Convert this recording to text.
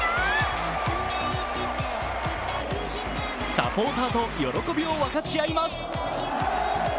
サポーターと喜びを分かち合います。